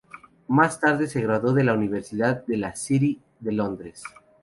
Más tarde se graduó de la Universidad de la City de Londres.